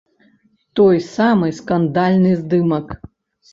Той самы скандальны здымак.